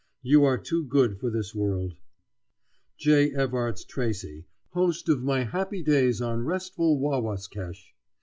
You are too good for this world. J. Evarts Tracy, host of my happy days on restful Wahwaskesh!